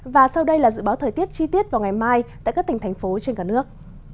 và sau đây là dự báo thời tiết chi tiết vào ngày mai tại các tỉnh thành phố trên cả nước